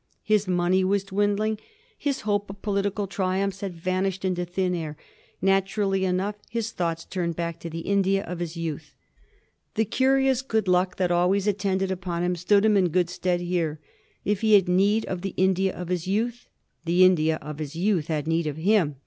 His money was dwin dling; his hope of political triumphs had vanished into thin air; naturally enough, his thoughts turned back to the India of his youth. The curious good luck that always attended upon him stood him in good stead here. If he had need of the India of his youth, the India of his youth had need of him.